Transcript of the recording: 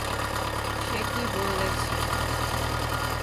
সে কী বলেছে?